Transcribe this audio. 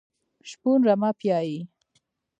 شپون رمه پيایي.